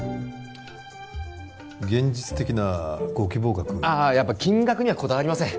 現実的なご希望額やっぱ金額にはこだわりません